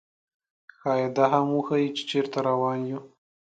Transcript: ښايي دا هم وښيي، چې چېرته روان یو.